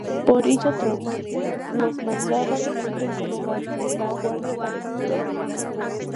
Por ello Thorin los mandaba siempre como vanguardia para explorar.